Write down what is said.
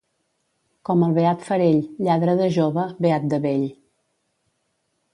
Com el beat Farell, lladre de jove, beat de vell.